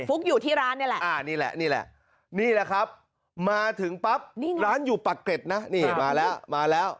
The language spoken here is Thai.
อยู่ที่ร้านนี่แหละนี่แหละนี่แหละครับมาถึงปั๊บร้านอยู่ปากเกร็ดนะนี่มาแล้วมาแล้ว